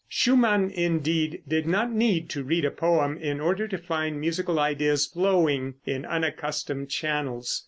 Schumann, indeed, did not need to read a poem in order to find musical ideas flowing in unaccustomed channels.